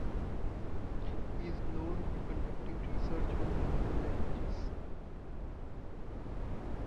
He is known for conducting research on Bantu languages.